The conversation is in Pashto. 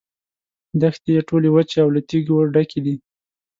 دښتې یې ټولې وچې او له تیږو ډکې دي.